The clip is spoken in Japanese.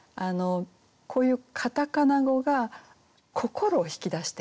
こういうカタカナ語が心を引き出してくる。